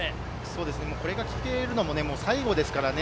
これが聞けるのも最後ですからね。